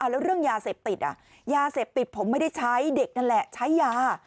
แล้วเรื่องยาเสพติดยาเสพติดผมไม่ได้ใช้เด็กนั่นแหละใช้ยา